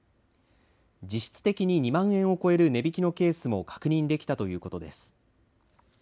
実質的に２万円を超える値引きのケースも確認できたということです。